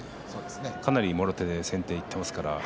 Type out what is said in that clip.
かなり、もろ手で先手でいってますから。